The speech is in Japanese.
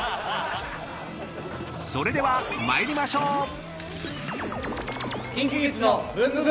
［それでは参りましょう］